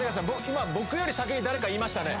今僕より先に誰か言いましたね